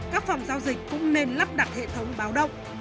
các phòng giao dịch cũng nên lắp đặt hệ thống báo động